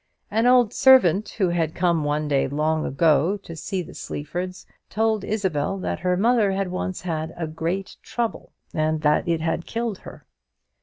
An old servant, who had come one day, long ago, to see the Sleafords, told Isabel that her mother had once had a great trouble, and that it had killed her.